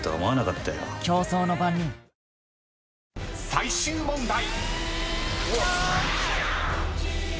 ［最終問題］